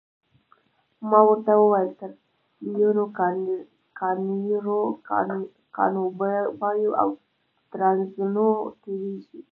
ما ورته وویل تر لویینو، کانیرو، کانوبایو او ترانزانو تیریږئ.